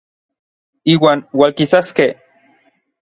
Iuan ualkisaskej.